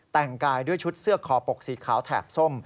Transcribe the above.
แต่งกายด้วยชุดเสื้อคอปกสีขาวแถบส้ม